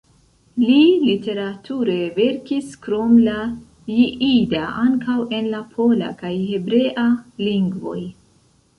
Li literature verkis krom la jida ankaŭ en la pola kaj hebrea lingvoj.